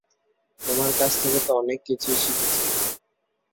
তোমার কাছ থেকে তো অনেক কিছুই শিখেছি।